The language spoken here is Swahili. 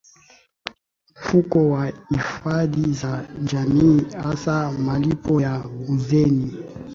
mfuko wa hifadhi za jamii hasa malipo ya uzeeni